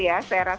saya rasa kejelas